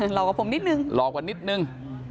หลอกกับผมนิดนึงหลอกกว่านิดนึง